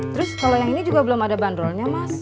terus kalau yang ini juga belum ada bandrolnya mas